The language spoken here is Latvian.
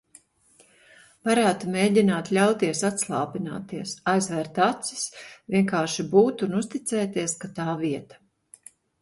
Varētu mēģināt ļauties atslābināties, aizvērt acis, vienkārši būt un uzticēties, ka tā vieta.